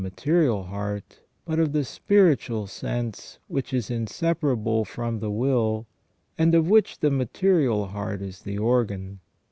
material heart, but of the spiritual sense which is inseparable from the will, and of which the material heart is the organ.